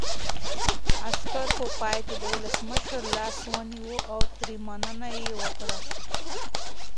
عسکر په پای کې د ولسمشر لاس ونیو او ترې مننه یې وکړه.